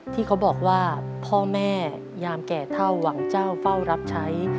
ที่เขาบอกว่าพ่อแม่ยามแก่เท่าหวังเจ้าเฝ้ารับใช้